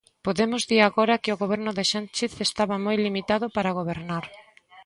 Podemos di agora que o Goberno de Sánchez estaba moi limitado para gobernar.